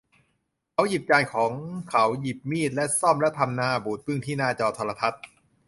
เขาหยิบจานของเขาหยิบมีดและส้อมแล้วทำหน้าบูดบึ้งที่หน้าจอโทรทัศน์